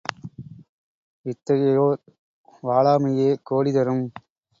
இத்தகையோர் வாழாமையே கோடி தரும்.